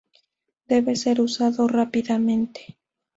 Debe ser usado rápidamente.